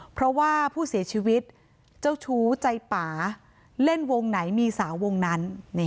เพราะว่าผู้เสียชีวิตเจ้าชู้ใจป่าเล่นวงไหนมีสาววงนั้น